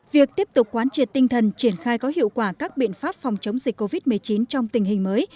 việc tiếp tục quán triệt tinh thần triển khai có hiệu quả các biện pháp phòng chống dịch covid một mươi chín trong tình hình mới